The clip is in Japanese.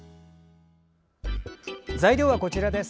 材料はこちらです。